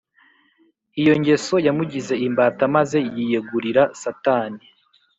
iyo ngeso yamugize imbata maze yiyegurira satani,